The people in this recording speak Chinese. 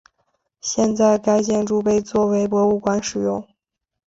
现在该建筑被作为博物馆使用。